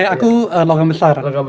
aku logam besar